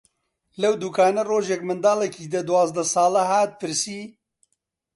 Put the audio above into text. لەو دووکانە ڕۆژێک منداڵێکی دە-دوازدە ساڵە هات پرسی: